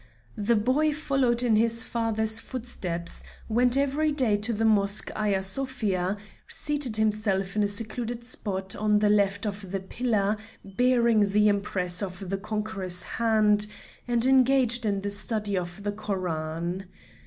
The boy followed in his father's footsteps, went every day to the Mosque Aya Sofia, seated himself in a secluded spot, to the left of the pillar bearing the impress of the Conqueror's hand, and engaged in the study of the Koran.